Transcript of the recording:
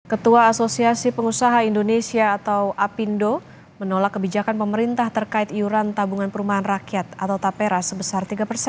ketua asosiasi pengusaha indonesia atau apindo menolak kebijakan pemerintah terkait iuran tabungan perumahan rakyat atau tapera sebesar tiga persen